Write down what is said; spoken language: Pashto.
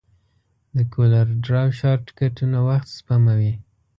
د کولر ډراو شارټکټونه وخت سپموي.